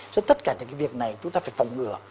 cho tất cả những cái việc này chúng ta phải phòng ngừa